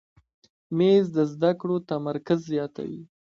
مېز د زده کړو تمرکز زیاتوي.